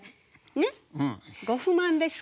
ねっご不満ですか？